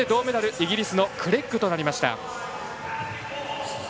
イギリスのクレッグとなりました。